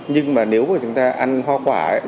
nhưng mà nếu mà chúng ta ăn hoa quả ấy